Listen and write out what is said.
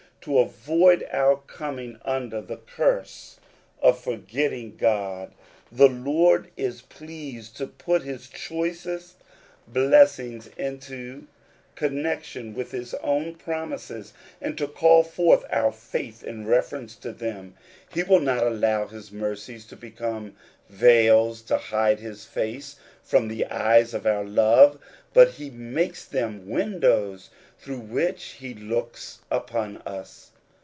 To avoid our coming under the curse of forgetting God, the Lord The Peculiar Treasure of Believers. 59 js pleased to put his choicest blessings into connec tion with his own promises, and to call forth our iaith in reference to them. He will not allow his mercies to become veils to hide his face from the eyes of our love; but he makes them windows through which he looks upon us.